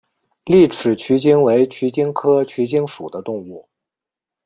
栗齿鼩鼱为鼩鼱科鼩鼱属的动物。